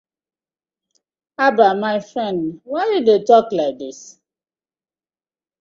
Habbah my friend why yu dey tok like dis na.